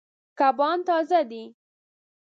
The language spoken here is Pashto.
کبان تازه دي.